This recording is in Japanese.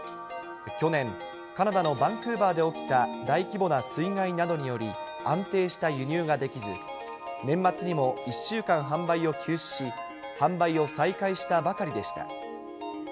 去年、カナダのバンクーバーで起きた大規模な水害などにより、安定した輸入ができず、年末にも１週間販売を休止し、販売を再開したばかりでした。